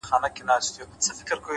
تمرکز ذهن له وېش څخه ژغوري؛